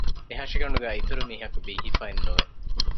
އެހަށިގަނޑުގައި އިތުރުމީހަކު ބީހިފައއެއްނުވެ